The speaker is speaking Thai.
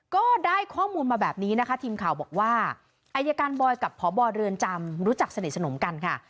ก็ได้ข้อมูลมาแบบนี้นะคะทีมข่าวบอกว่าอายการบอยกับพบเรือนจำรู้จักสนิทสนมกันค่ะ